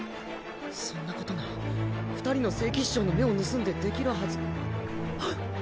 そんなことが二人の聖騎士長の目を盗んでできるはずはっ！